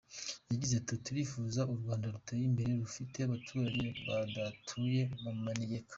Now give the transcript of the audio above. Yagize ati “Turifuza u Rwanda ruteye imbere rufite abaturage badatuye mu manegeka.